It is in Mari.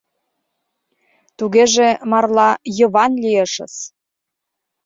— Тугеже, марла Йыван лиешыс!..